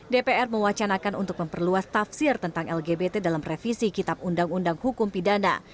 dpr mewacanakan untuk memperluas tafsir tentang lgbt dalam revisi kitab undang undang hukum pidana